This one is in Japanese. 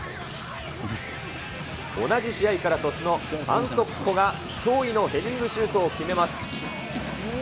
同じ試合から鳥栖のファン・ソッコが驚異のヘディングシュートを決めます。